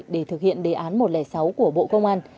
để thực hiện đề án một trăm linh sáu của bộ công an